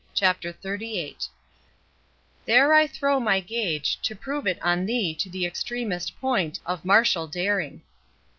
CHAPTER XXXVIII —There I throw my gage, To prove it on thee to the extremest point Of martial daring.